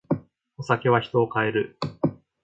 お酒は人を変える。